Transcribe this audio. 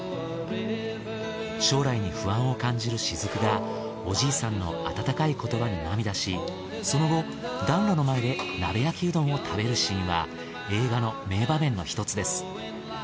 将来に不安を感じる雫がおじいさんの温かい言葉に涙しその後暖炉の前で鍋焼きうどんを食べるシーンは映画の名場面の１つです。